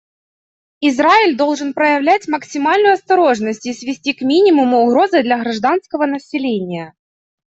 Израиль должен проявлять максимальную осторожность и свести к минимуму угрозы для гражданского населения.